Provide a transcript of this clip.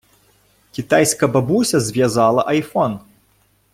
Китайська бабуся зв’язала айфон.